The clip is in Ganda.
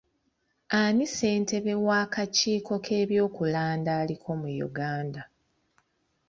Ani ssentebe w'akakiiko k'ebyokulanda aliko mu Uganda?